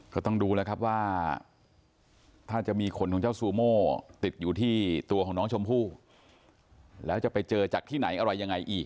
ก็ต้องดูแล้วครับว่าถ้าจะมีขนของเจ้าซูโม่ติดอยู่ที่ตัวของน้องชมพู่แล้วจะไปเจอจากที่ไหนอะไรยังไงอีก